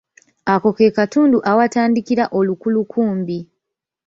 Ako ke katundu awatandikira olukulukumbi.